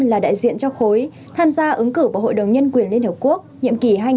là đại diện cho khối tham gia ứng cử vào hội đồng nhân quyền liên hợp quốc nhiệm kỳ hai nghìn hai mươi hai nghìn hai mươi một